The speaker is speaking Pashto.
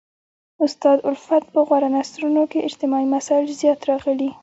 استاد الفت په غوره نثرونو کښي اجتماعي مسائل زیات راغلي.